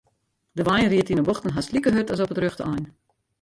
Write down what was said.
De wein ried yn 'e bochten hast like hurd as op it rjochte ein.